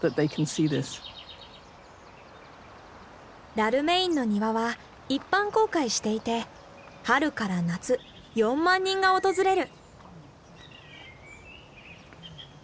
ダルメインの庭は一般公開していて春から夏４万人が訪れる。